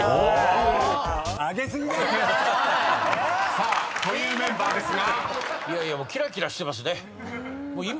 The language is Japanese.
［さあというメンバーですが］